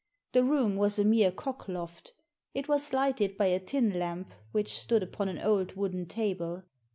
The room was a mere cock loft It was lighted by a tin lamp which stood upon an old wooden table.